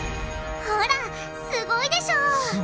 ほらすごいでしょすごい！